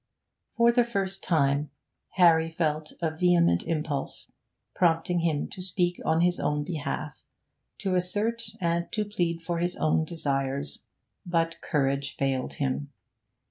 For the first time Harry felt a vehement impulse, prompting him to speak on his own behalf, to assert and to plead for his own desires. But courage failed him.